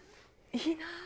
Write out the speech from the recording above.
いいなあ！